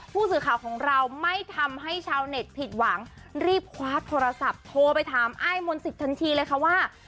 ผู้สื่อข่าวของเราไม่ทำให้ชาวเน็ตผิดหวังรีบคว้าโทรศัพท์โทรไปถามอ้ายมนต์สิทธิทันทีเลยค่ะว่า